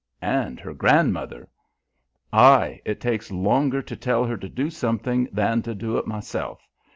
"And her grandmother." "Aye. It takes longer to tell her to do something than to do it myself.